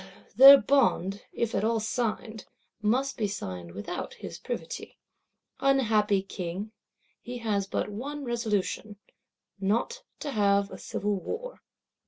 Their Bond, if at all signed, must be signed without his privity.—Unhappy King, he has but one resolution: not to have a civil war.